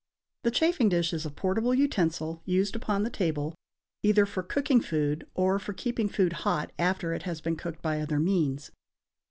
The chafing dish is a portable utensil used upon the table, either for cooking food or for keeping food hot after it has been cooked by other means.